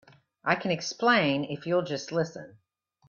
I can explain if you'll just listen.